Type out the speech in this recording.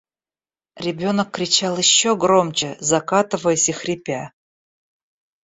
Ребенок кричал еще громче, закатываясь и хрипя.